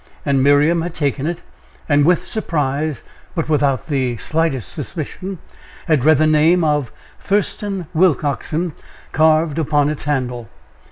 And Miriam had taken it, and with surprise, but without the slightest suspicion, had read the name of "Thurston Willcoxen" carved upon its handle.